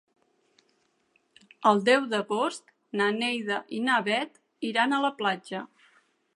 El deu d'agost na Neida i na Bet iran a la platja.